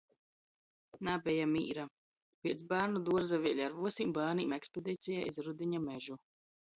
Nabeja mīra. Piec bārnuduorza vēļ ar vysim bārnim ekspediceja iz rudiņa mežu.